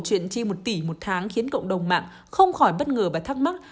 chuyện chi một tỷ một tháng khiến cộng đồng mạng không khỏi bất ngờ và thắc mắc